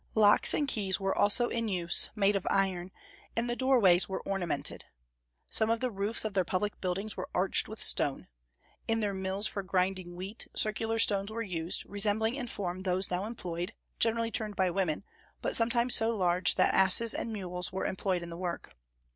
Locks and keys were also in use, made of iron; and the doorways were ornamented. Some of the roofs of their public buildings were arched with stone. In their mills for grinding wheat circular stones were used, resembling in form those now employed, generally turned by women, but sometimes so large that asses and mules were employed in the work.